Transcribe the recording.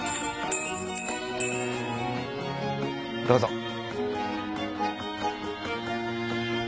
どうぞ。